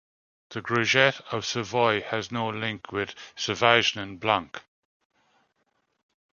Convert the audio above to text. The Gringet of Savoie has no link with Savagnin blanc.